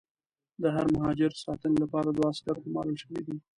د هر مهاجر ساتنې لپاره دوه عسکر ګومارل شوي دي.